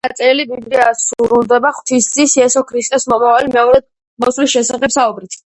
წმინდა წერილი, ბიბლია სრულდება ღვთის ძის, იესო ქრისტეს მომავალი, მეორედ მოსვლის შესახებ საუბრით.